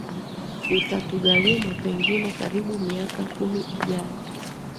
itatugharimu pengine karibu miaka kumi ijayo